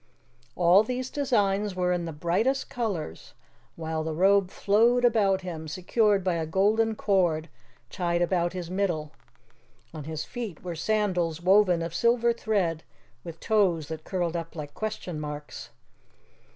All these designs were in the brightest colors, while the robe flowed about him, secured by a golden cord tied about his middle. On his feet were sandals woven of silver thread, with toes that curled up like question marks.